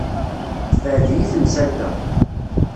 Tebɛed-iyi temsalt-a.